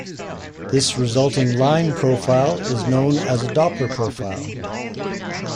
This resulting line profile is known as a Doppler profile.